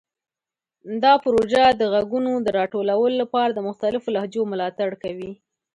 دا پروژه د غږونو د راټولولو لپاره د مختلفو لهجو ملاتړ کوي.